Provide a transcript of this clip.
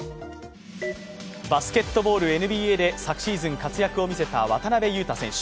バスケットボールＮＢＡで昨シーズン活躍を見せた渡邊雄太選手。